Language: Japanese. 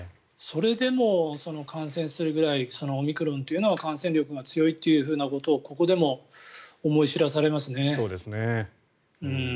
それでも感染するぐらいオミクロンというのは感染力が強いということをここでも思い知らされますね。